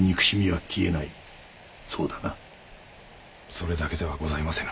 それだけではございませぬ。